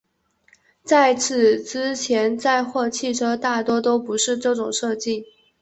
在此之前载货汽车大多都不是这种设计。